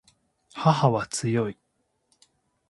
母は強い